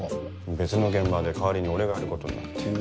別の現場で代わりに俺がやることになって。